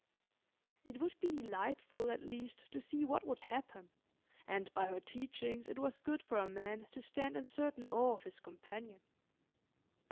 It would be delightful at least to see what would happen, and by her teachings it was good for a man to stand in certain awe of his companion.